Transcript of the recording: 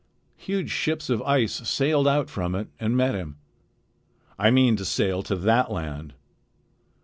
Huge ships of ice sailed out from it and met him. I mean to sail to that land."